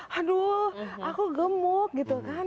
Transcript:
aduh aku gemuk gitu kan